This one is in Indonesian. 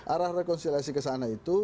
arah rekonsiliasi kesana itu